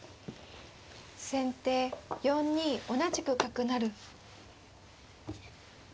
先手４二同じく角成。